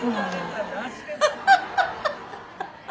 ハハハハハ